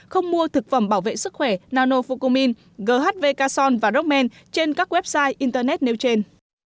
không mua thực phẩm bảo vệ sức khỏe nano phocomin ghv cason và rockman trên các website internet nêu trên